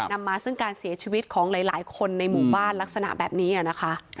นำมาซึ่งการเสียชีวิตของหลายคนในหมู่บ้านลักษณะแบบนี้นะคะ